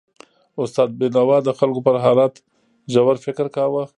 استاد بینوا د خلکو پر حالت ژور فکر کاوه.